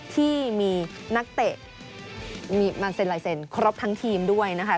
ที่มีนักเตะมีบรรเซนไลเซนครอบทั้งทีมด้วยนะคะ